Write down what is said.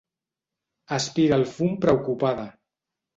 Aspira el fum preocupada.